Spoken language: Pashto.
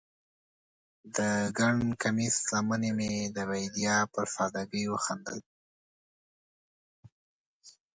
د ګنډ کمیس لمنې مې د بیدیا پر سادګۍ وخندل